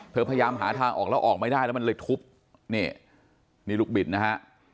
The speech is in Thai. พยายามหาทางออกแล้วออกไม่ได้แล้วมันเลยทุบนี่นี่ลูกบิดนะฮะ